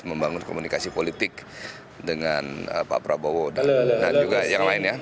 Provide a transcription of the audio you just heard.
membangun komunikasi politik dengan pak prabowo dan juga yang lainnya